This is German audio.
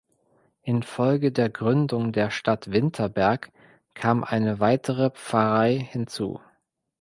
In Folge der Gründung der Stadt Winterberg kam eine weitere Pfarrei hinzu.